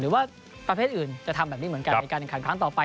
หรือว่าประเภทอื่นจะทำแบบนี้เหมือนกันในการแข่งขันครั้งต่อไป